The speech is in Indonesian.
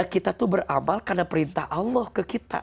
kita tuh beramal karena perintah allah ke kita